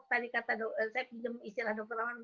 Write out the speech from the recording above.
tadi kata saya istilah doktor